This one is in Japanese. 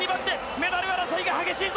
メダル争いが激しいぞ！